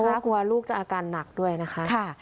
เพราะกลัวลูกจะอาการหนักด้วยนะคะ